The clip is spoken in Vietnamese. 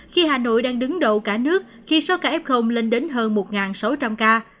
khi hà nội đang đứng đầu cả nước khi số ca f lên đến hơn một sáu trăm linh ca